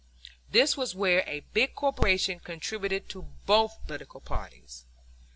This was where a big corporation contributed to both political parties.